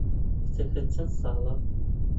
کچەکەت چەند ساڵە؟